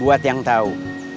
buat yang tahu